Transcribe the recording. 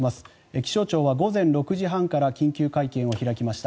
気象庁は午前６時半から緊急会見を開きました。